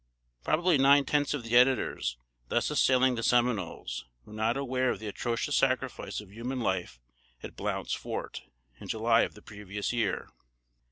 Probably nine tenths of the Editors, thus assailing the Seminoles, were not aware of the atrocious sacrifice of human life at "Blount's Fort," in July of the previous year.